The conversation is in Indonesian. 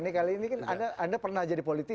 ini kali ini kan anda pernah jadi politisi